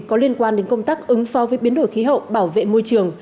có liên quan đến công tác ứng phó với biến đổi khí hậu bảo vệ môi trường